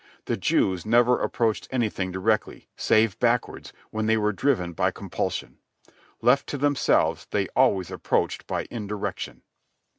The Jews never approached anything directly, save backwards, when they were driven by compulsion. Left to themselves, they always approached by indirection.